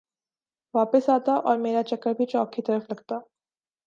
واپس آتا اورمیرا چکر بھی چوک کی طرف لگتا